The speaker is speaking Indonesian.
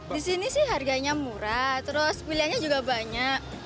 disini sih harganya murah terus pilihannya juga banyak